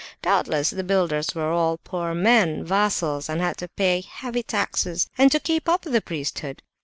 Doubtless the builders were all poor men, vassals, and had to pay heavy taxes, and to keep up the priesthood.